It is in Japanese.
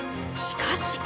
しかし。